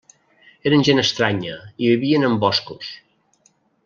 Eren gent estranya, i vivien en boscos.